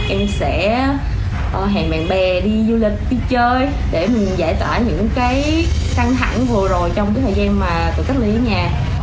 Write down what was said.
em sẽ hẹn bạn bè đi du lịch đi chơi để mình giải tỏa những cái căng thẳng vừa rồi trong cái thời gian mà tự cách ly ở nhà